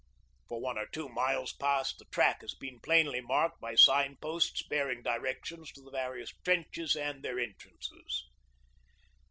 For one or two miles past the track has been plainly marked by sign posts bearing directions to the various trenches and their entrances.